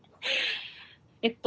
えっと